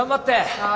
はい。